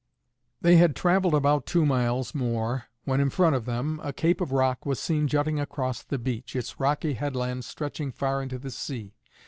They had travelled about two miles more when, in front of them, a cape of rock was seen jutting across the beach, its rocky headland stretching far into the sea.